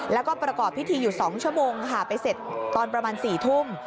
แล้วก็ประกอบพิธีอยู่๒ชั่วโมงค่ะไปเสร็จตอนประมาณ๔ทุ่ม